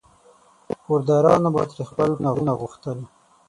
پوردارانو به ترې خپل پورونه غوښتل.